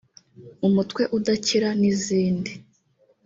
umutwe udakira n’izindi